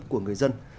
của người dân